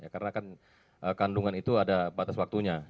karena kan kandungan itu ada batas waktunya